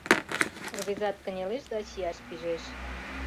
Рвезат кынелеш да чияш пижеш.